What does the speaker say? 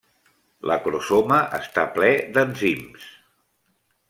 L'acrosoma està ple d'enzims.